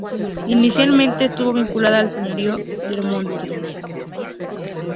Inicialmente estuvo vinculada al señorío de La Mothe.